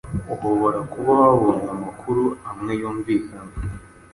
uhobora kuba wabonye amakuru amwe yumvikana